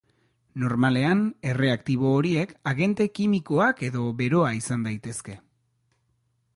Normalean, erreaktibo horiek agente kimikoak edo beroa izan daitezke.